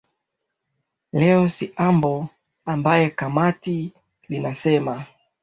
leo siambo ambaye kamati linasema